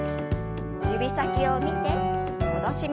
指先を見て戻します。